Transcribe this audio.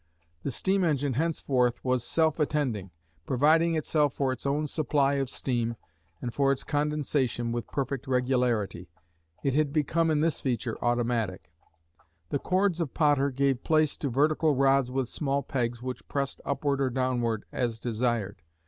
The steam engine henceforth was self attending, providing itself for its own supply of steam and for its condensation with perfect regularity. It had become in this feature automatic. The cords of Potter gave place to vertical rods with small pegs which pressed upward or downward as desired.